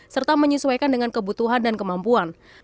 serta menyesuaikan dengan kebutuhan dan kemampuan